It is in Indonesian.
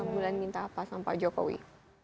bulan minta apa sama pak jokowi